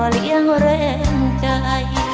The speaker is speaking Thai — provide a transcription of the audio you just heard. เลี้ยงแรงใจ